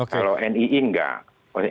kalau nii enggak